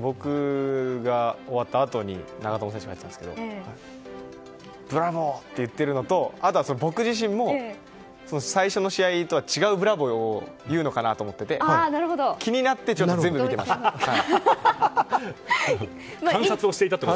僕が終わったあとに長友選手が入ってきたんですけどブラボー！って言っているのとあと、僕自身も最初の試合とは違うブラボー！を言うのかなと思っていて観察をしていたと。